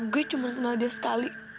gue cuma kenal dia sekali